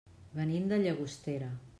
Venim de Llagostera.